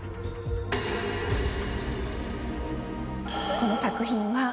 この作品は。